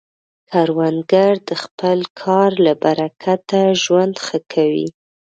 کروندګر د خپل کار له برکته ژوند ښه کوي